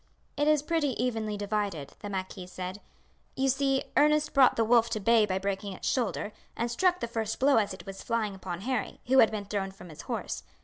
"It is pretty evenly divided," the marquis said. "You see Ernest brought the wolf to bay by breaking its shoulder, and struck the first blow as it was flying upon Harry, who had been thrown from his horse.